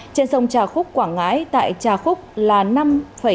trên sông trà khúc quảng ngãi tại trà khúc là năm bảy mươi một m